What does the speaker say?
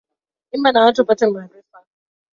Imba na watu upate maarifa